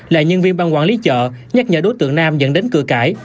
là nhân viên ban quản lý chợ nhắc nhở đối tượng nam dẫn đến cửa cãi